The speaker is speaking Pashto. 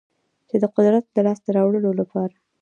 چې د قدرت لاسته راوړلو لپاره